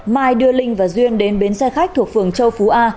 mai đưa linh và duyên đến bến xe khách thuộc phường châu phú a